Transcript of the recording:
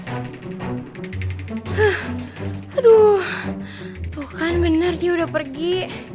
aduh tuh kan benar dia udah pergi